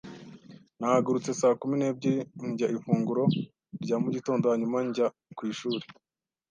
Nahagurutse saa kumi n'ebyiri, ndya ifunguro rya mu gitondo hanyuma njya ku ishuri.